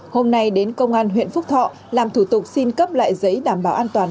hôm nay đến công an huyện phúc thọ làm thủ tục xin cấp lại giấy đảm bảo an toàn